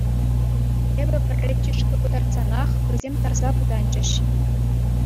Эпӗ пӗрре чышкӑ кӑтартсанах, вӗсем тарса пытанчӗҫ.